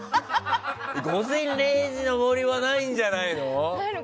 「午前０時の森」はないんじゃないの？